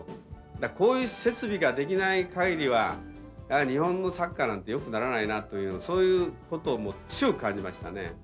こういう設備が出来ない限りは日本のサッカーなんてよくならないなとそういうことを強く感じましたね。